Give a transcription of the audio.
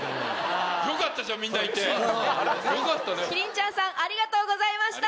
キリンちゃんありがとうございました！